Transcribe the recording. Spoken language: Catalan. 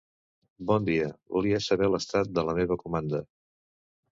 Bon dia, volia saber l'estat de la meva comanda.